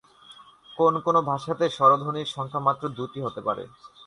কোন কোন ভাষাতে স্বরধ্বনির সংখ্যা মাত্র দুইটি হতে পারে।